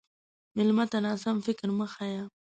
مېلمه ته ناسم فکر مه ښیه.